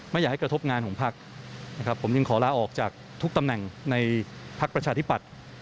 ไม่อยากให้กระทบงานของพักนะครับผมจึงขอลาออกจากทุกตำแหน่งในพักประชาธิปัตย์